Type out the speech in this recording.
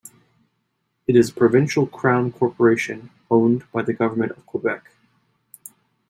It is a provincial Crown corporation owned by the Government of Quebec.